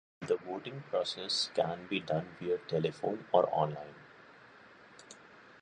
The voting process can be done via telephone or online.